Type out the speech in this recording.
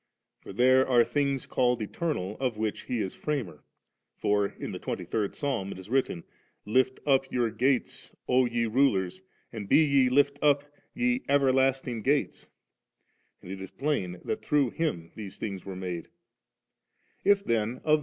For there are things called eternal of which He is Framer ; for in the twenty third Psalm it is written, * Lift up your gates, O ye rulers, and be ye lift up, ye ever lasting gates';' and it is plain that through Him these things were made ; but if even of 4 (7r.